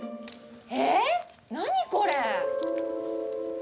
えっ、何これ？